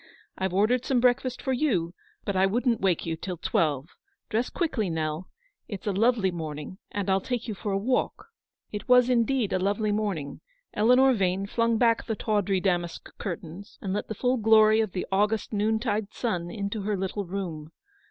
Fve ordered some break fast for you, but I wouldn't wake you till twelve. Dress quickly, Nell. It's a lovely morning, and I'll take you for a walk." It was indeed a lovely morning. Eleanor Vane flung back the tawdry damask curtains, and let the full glory of the August noontide sun into her little room.